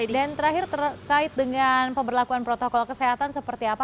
dan terakhir terkait dengan pemberlakuan protokol kesehatan seperti apa